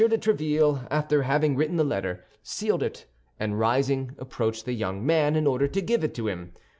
de Tréville, after having written the letter, sealed it, and rising, approached the young man in order to give it to him.